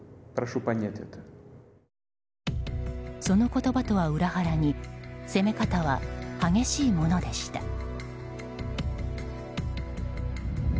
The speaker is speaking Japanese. その言葉とは裏腹に攻め方は激しいものでした。